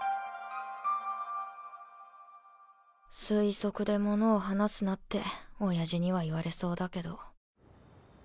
推測でものを話すなっておやじには言われそうだけど。